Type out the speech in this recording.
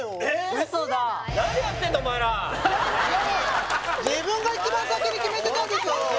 ウソだ自分が一番先に決めてたんでしょ